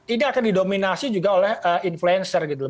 ini akan didominasi juga oleh influencer gitu loh